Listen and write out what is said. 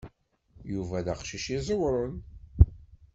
Yuba d aqcic i iẓewṛen.